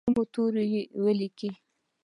په کومو تورو لیکي؟